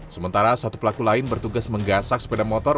sementara satu pelaku lain bertugas menggasak sepeda motor